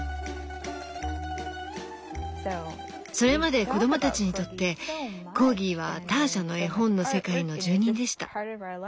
それまで子供たちにとってコーギーはターシャの絵本の世界の住人でした。